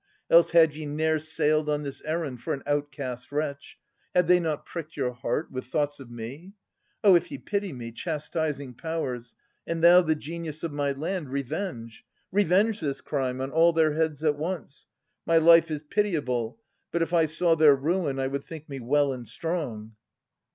Else had ye ne'er Sailed on this errand for an outcast wretch, Had they not pricked your heart with thoughts of me. Oh, if ye pity me, chastising powers. And thou, the Genius of my land, revenge. Revenge this crime on all their heads at once ! My life is pitiable; but if I saw Their ruin, I would think me well and strong.